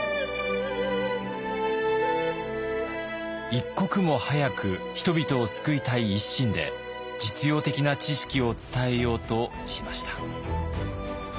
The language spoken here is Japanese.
一刻も早く人々を救いたい一心で実用的な知識を伝えようとしました。